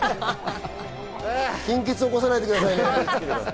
貧血起こさないでくださいね。